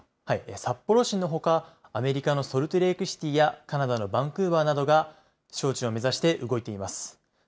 札幌市のほか、アメリカのソルトレークシティーやカナダのバンクーバーなどが招致を目指して動いています。